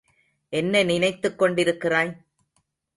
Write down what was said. என்ன நினைத்துக் கொண்டிருக்கிறாய்?